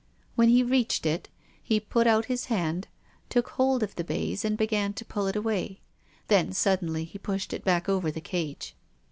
When he reached it he put out his hand, took hold of the baize and began to pull it away. Then suddenly he pushed it back over the cage.